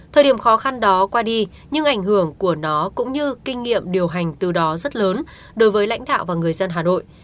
thời điểm khó khăn đó qua đi nhưng ảnh hưởng của nó cũng như kinh nghiệm điều hành từ đó rất lớn đối với lãnh đạo và người dân hà nội